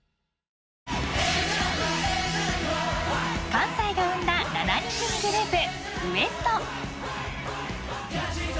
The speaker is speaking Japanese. ［関西が生んだ７人組グループ］